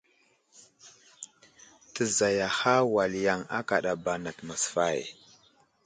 Təzayaha wal yaŋ akadaba nat masfay.